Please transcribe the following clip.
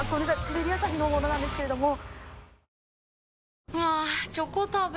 テレビ朝日の者なんですけれども。